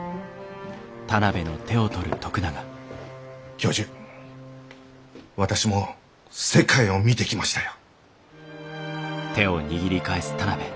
教授私も世界を見てきましたよ。